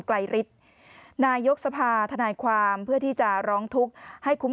ไกลฤทธิ์นายกสภาธนายความเพื่อที่จะร้องทุกข์ให้คุ้ม